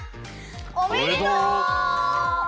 おめでとう！